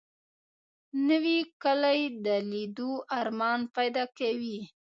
نوې کلی د لیدو ارمان پیدا کوي